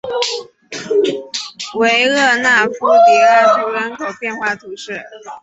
维勒纳夫迪拉图人口变化图示